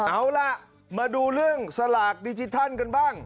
เอาล่ะมาดูเรื่องสลากดิจิทัลกันบ้าง